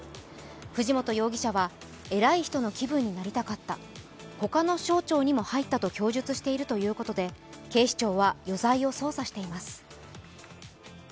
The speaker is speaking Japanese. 藤本容疑者は偉い人の気分になりたかった、他の省庁にも入ったと供述しているということで警視庁は余罪を捜査しています。